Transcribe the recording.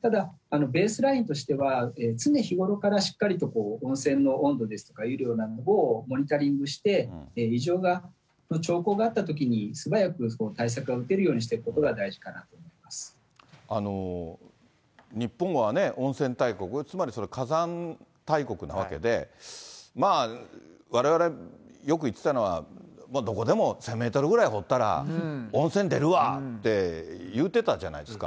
ただ、ベースラインとしては、常日頃からしっかりと温泉の温度ですとか湯量などをモニタリングして、異常の兆候があったときに、素早く対策が打てるようにしておくこ日本は温泉大国、つまり火山大国なわけで、われわれ、よく言っていたのは、どこでも１０００メートルぐらい掘ったら、温泉出るわって言うてたじゃないですか。